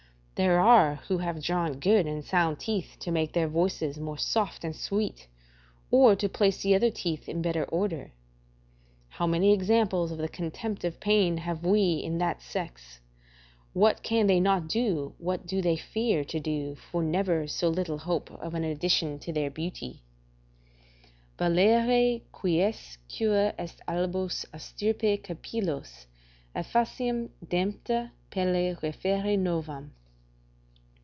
There are who have drawn good and sound teeth to make their voices more soft and sweet, or to place the other teeth in better order. How many examples of the contempt of pain have we in that sex? What can they not do, what do they fear to do, for never so little hope of an addition to their beauty? "Vallere queis cura est albos a stirpe capillos, Et faciem, dempta pelle, referre novam."